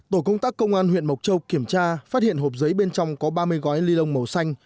tổ công tác công an huyện mộc châu kiểm tra phát hiện hộp giấy bên trong có ba mươi gói ni lông màu xanh